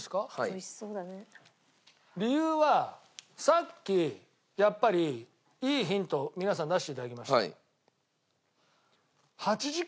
理由はさっきやっぱりいいヒントを皆さんに出して頂きました。